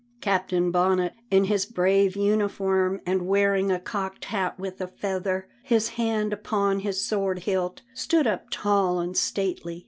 Captain Bonnet, in his brave uniform and wearing a cocked hat with a feather, his hand upon his sword hilt, stood up tall and stately.